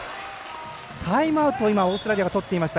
タイムアウトをオーストラリアがとっていました。